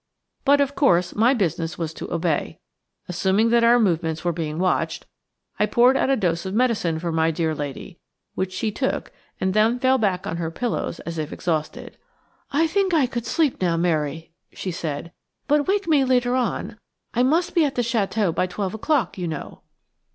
But, of course, my business was to obey. Assuming that our movements were being watched, I poured out a dose of medicine for my dear lady, which she took and then fell back on her pillows as if exhausted. "I think I could sleep now, Mary," she said; "but wake me later on; I must be at the château by twelve o'clock, you know."